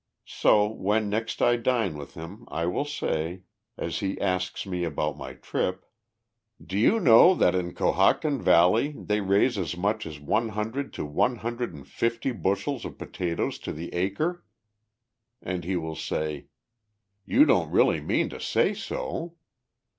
So when next I dine with him I will say, as he asks me about my trip: "Do you know that in the Cohocton Valley they raise as much as one hundred to one hundred and fifty bushels of potatoes to the acre?" And he will say: "You don't really mean to say so?"